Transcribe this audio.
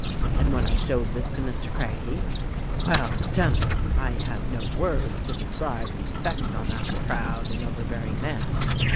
And when I showed this to Mr. Craggie — Well, gentlemen, I have no words to describe the effect on that proud and overbearing man.